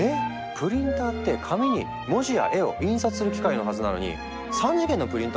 プリンターって紙に文字や絵を印刷する機械のはずなのに３次元のプリンター？